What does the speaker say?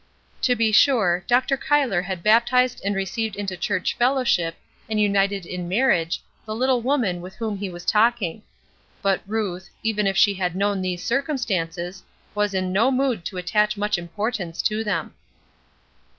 To be sure, Dr. Cuyler had baptized and received into church fellowship and united in marriage the little woman with whom he was talking; but Ruth, even if she had known these circumstances, was in no mood to attach much importance to them.